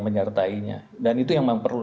menyertainya dan itu yang perlu